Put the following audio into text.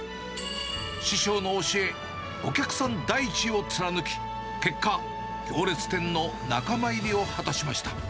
師匠の教え、お客さん第一を貫き、結果、行列店の仲間入りを果たしました。